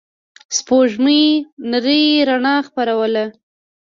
سپوږمۍ نرۍ رڼا خپروله.